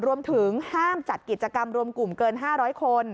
รวมถึงห้ามจัดกิจกรรมรวมกลุ่มเกิน๕๐๐คน